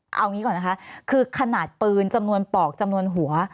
เอางี้ก่อนนะคะคือขนาดปืนจำนวนปอกจำนวนหัว